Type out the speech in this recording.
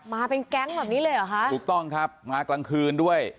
มาเป็นแก๊งแบบนี้เลยเหรอคะถูกต้องครับมากลางคืนด้วย